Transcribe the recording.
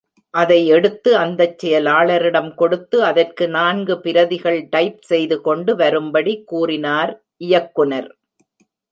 அதை எடுத்து அந்தச் செயலாளரிடம் கொடுத்து, அதற்கு நான்கு பிரதிகள் டைப்செய்து கொண்டு வரும்படி கூறினார் இயக்குநர்.